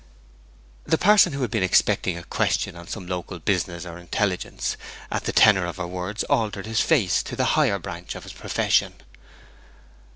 The parson, who had been expecting a question on some local business or intelligence, at the tenor of her words altered his face to the higher branch of his profession.